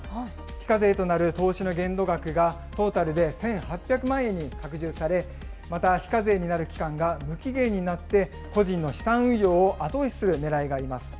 非課税となる投資の限度額がトータルで１８００万円に拡充され、また非課税になる期間が無期限になって、個人の資産運用を後押しするねらいがあります。